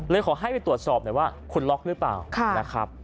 เลยขอให้ไปตรวจสอบนะว่าคุณล๊อคหรือเปล่า